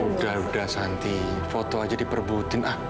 udah udah santi foto aja diperbutin ah